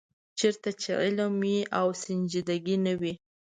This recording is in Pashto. چېرته چې علم وي او سنجیدګي نه وي.